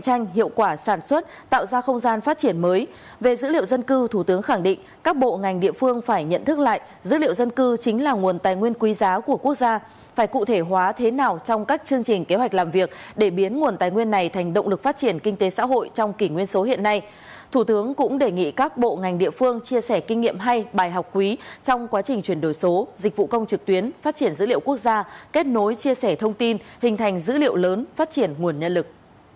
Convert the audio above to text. thủ tướng cũng đề nghị các bộ ngành địa phương chia sẻ kinh nghiệm hay bài học quý trong quá trình chuyển đổi số dịch vụ công trực tuyến phát triển dữ liệu quốc gia kết nối chia sẻ thông tin hình thành dữ liệu lớn phát triển nguồn nhân lực